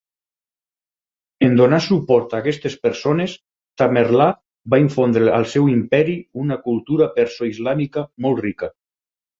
En donar suport a aquestes persones, Tamerlà va infondre al seu imperi una cultura perso-islàmica molt rica.